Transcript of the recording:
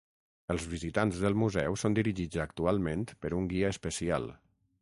Els visitants del museu són dirigits actualment per un guia especial.